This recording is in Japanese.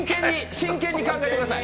真剣に考えてください。